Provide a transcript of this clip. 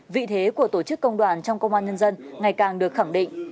vị thế của tổ chức công đoàn trong công an nhân dân ngày càng được khẳng định